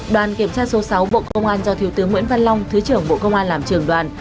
đoàn kiểm tra số sáu bộ công an do thiếu tướng nguyễn văn long thứ trưởng bộ công an làm trường đoàn